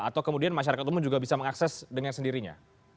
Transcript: atau kemudian masyarakat umum juga bisa mengakses dengan sendirinya